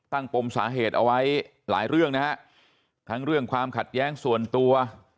ปมสาเหตุเอาไว้หลายเรื่องนะฮะทั้งเรื่องความขัดแย้งส่วนตัว